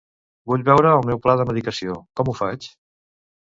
Vull veure el meu pla de medicació, com ho faig?